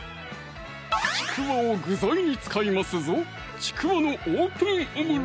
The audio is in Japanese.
ちくわを具材に使いますぞわぁ！